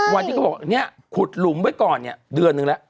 เขาบอกเนี่ยขุดหลุมไว้ก่อนเนี่ยเดือนนึงแล้ว